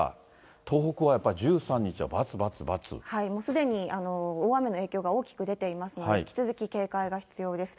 東北はやっぱり１３日は×、×、もうすでに大雨の影響が大きく出ていますので、引き続き警戒が必要です。